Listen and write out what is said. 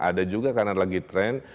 ada juga karena lagi tren